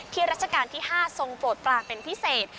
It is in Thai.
ราชการที่๕ทรงโปรดปลาเป็นพิเศษ